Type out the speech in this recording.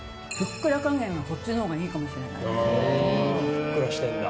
ふっくらしてるんだ。